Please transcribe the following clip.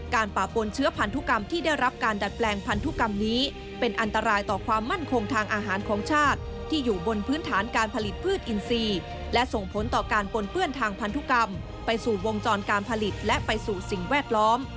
ป่าปนเชื้อพันธุกรรมที่ได้รับการดัดแปลงพันธุกรรมนี้เป็นอันตรายต่อความมั่นคงทางอาหารของชาติที่อยู่บนพื้นฐานการผลิตพืชอินทรีย์และส่งผลต่อการปนเปื้อนทางพันธุกรรมไปสู่วงจรการผลิตและไปสู่สิ่งแวดล้อม